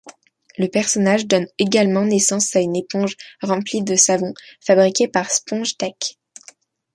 Le personnage donne également naissance à une éponge remplie de savon fabriquée par SpongeTech.